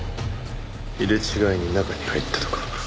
入れ違いに中に入ったとか？